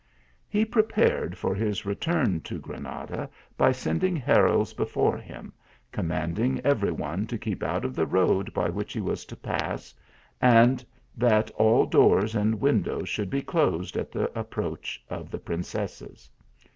" He prepared for his return to Granada, by send ing heralds before him, commanding every one to keep out of the road by which he was to pass, and that all doors and windows should be closed at the approach of the princesses.